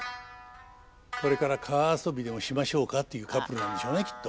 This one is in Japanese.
「これから川遊びでもしましょうか」というカップルなんでしょうねきっと。